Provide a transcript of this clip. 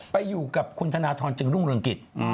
ไปอยู่กับคุณธนาทรจึงรุ่งภาคลุมกิจ